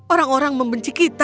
orang orang membenci kita